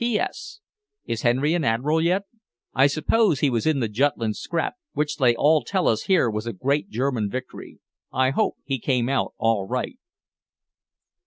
P.S. Is Henry an Admiral yet? I suppose he was in the Jutland scrap, which they all tell us here was a great German victory. I hope he came out all right.